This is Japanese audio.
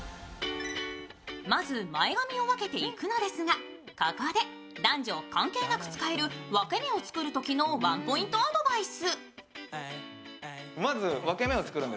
まず、前髪を分けていくのですがここで、男女関係なく使える分け目を作るときのワンポイントアドバイス。